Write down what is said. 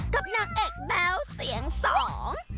กับนางเอกแบ๊วเสียงสอง